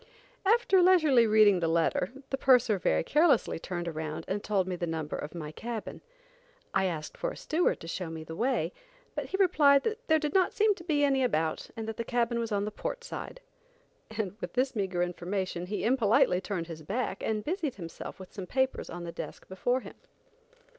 After leisurely reading the letter, the purser very carelessly turned around and told me the number of my cabin. I asked for a steward to show me the way, but he replied that there did not seen to be any about, that the cabin was on the port side, and with this meagre information, he impolitely turned his back and busied himself with some papers on the desk before him.